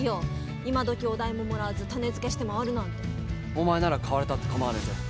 お前なら買われたって構わねえぜ。